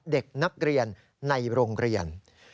เด็กนักเรียนในโรงเรียน